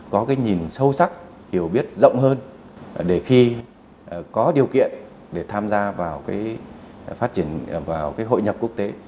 có nhìn sâu sắc hiểu biết rộng hơn để khi có điều kiện để tham gia vào hội nhập quốc tế